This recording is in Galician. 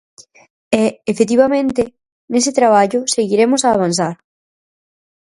E, efectivamente, nese traballo seguiremos a avanzar.